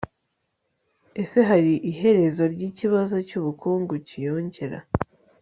ese hari iherezo ryikibazo cy'ubukungu cyiyongera